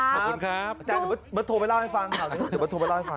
อาจารย์เดี๋ยวไปโทรไปเล่าให้ฟัง